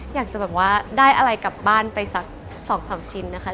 อยากจะแบบว่าได้อะไรกลับบ้านไปสัก๒๓ชิ้นนะคะ